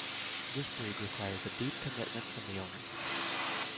This breed requires a deep commitment from the owners.